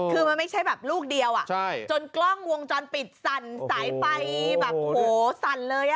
คือมันไม่ใช่แบบลูกเดียวจนกล้องวงจรปิดสั่นสายไฟแบบโหสั่นเลย